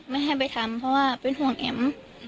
ไม่ให้ไปทำเพราะว่าเป็นห่วงแอ๋ม